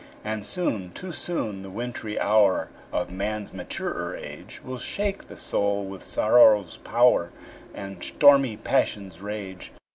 And soon, too soon, the wintry hour Of man's maturer age Will shake the soul with sorrow's power, And stormy passion's rage.